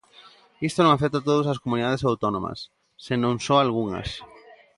Isto non afecta todas as comunidades autónomas, senón só algunhas.